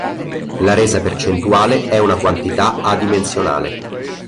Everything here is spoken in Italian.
La resa percentuale è una quantità adimensionale.